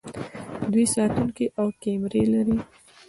دوی ساتونکي او کمرې لري.